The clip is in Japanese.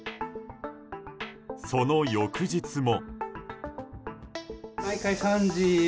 その翌日も。